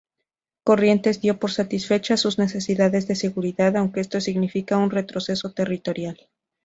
Corrientes dio por satisfecha sus necesidades de seguridad, aunque esto significara un retroceso territorial.